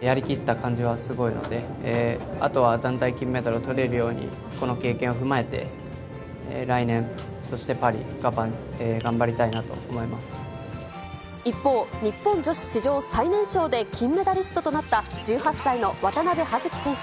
やりきった感じはすごいあるので、あとは団体金メダルをとれるように、この経験を踏まえて、来年、そしてパリ、一方、日本女子史上最年少で金メダリストとなった、１８歳の渡部葉月選手。